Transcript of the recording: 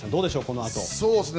このあと。